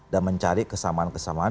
dan mencari kesamaan kesamaan